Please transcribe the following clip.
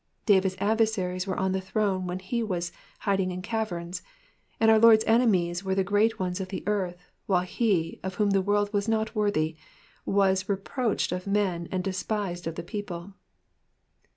David's adversaries were on the throne when he was biding in caverns, and our Lord's enemies were the great ones of the earth ; while he, of whom the world was not worthy, was reproached of men and despised of the people.